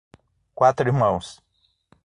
Quatro Irmãos